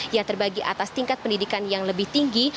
yang terbagi atas tingkat pendidikan yang lebih tinggi